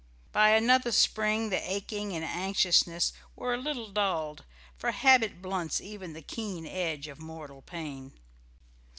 By another spring the aching and anxiousness were a little dulled, for habit blunts even the keen edge of mortal pain.